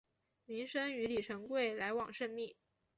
明升与李成桂来往甚密。